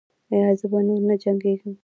ایا زه به نور نه جنګیږم؟